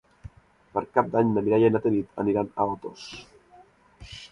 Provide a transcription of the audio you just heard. Per Cap d'Any na Mireia i na Tanit aniran a Otos.